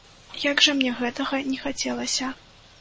Як жа мне гэтага не хацелася.